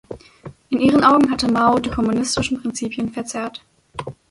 In ihren Augen hatte Mao die kommunistischen Prinzipien verzerrt.